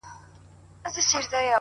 نن ایله دهقان شیندلي دي تخمونه -